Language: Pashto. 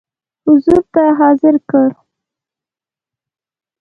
حضور ته حاضر کړ.